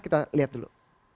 kita lihat dulu